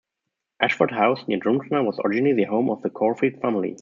Ashfort House, near Drumsna, was originally the home of the Caulfield family.